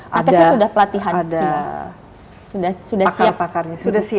nakesnya sudah pelatihan